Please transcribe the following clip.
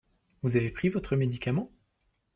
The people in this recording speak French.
Vous avez pris votre médicament ?